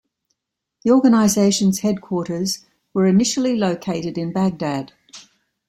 The organization's headquarters were initially located in Baghdad.